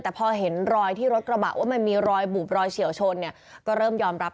แต่พอเห็นรอยที่รถกระบะว่ามันมีรอยบุบรอยเฉียวชนเนี่ยก็เริ่มยอมรับ